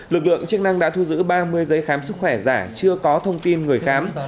lực lượng chức năng đã thu giữ ba mươi giấy khám sức khỏe giả chưa có thông tin người khám